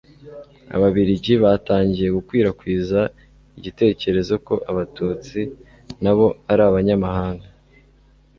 Ababiligi batangiye gukwirakwiza igitekerezo ko Abatutsi na bo ari abanyamahanga,